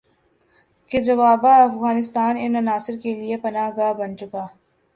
کہ جوابا افغانستان ان عناصر کے لیے پناہ گاہ بن چکا